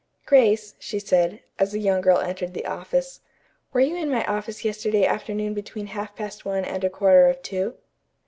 "Grace," she said, as the young girl entered the office, "were you in my office yesterday afternoon between half past one and a quarter of two?"